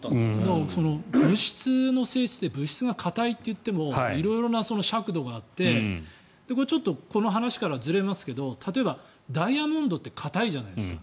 物質の性質で物質が硬いといっても色々な尺度があってちょっとこの話からずれますけど例えば、ダイヤモンドって硬いじゃないですか。